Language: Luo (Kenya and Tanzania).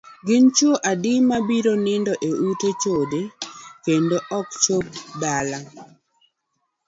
Gin chuo adi mabiro nindo e ute chode kendo ok chop dala?